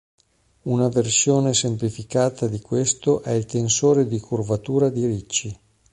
Una versione semplificata di questo è il tensore di curvatura di Ricci.